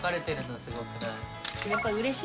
すごくない？